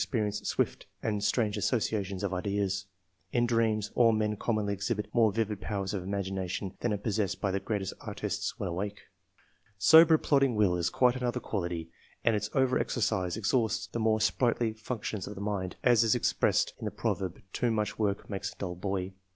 [ch. hi. perience swift and strange associations of ideas ; in dreamSy all men commonly exhibit more vivid powers of imagination than are possessed by the greatest artists when awake. Sober, plodding will is quite another quality, and its over exercise exhausts the more sprightly func tions of the mind, as is expressed in the proverb, "too much work makes a dull boy."